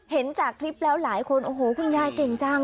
เห็นจากคลิปแล้วหลายคนโอ้โหคุณยายเก่งจัง